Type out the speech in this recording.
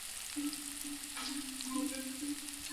isipokuwa kiingereza Hivyo hali hii ilidumaza sana